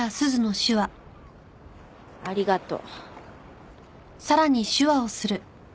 ありがとう。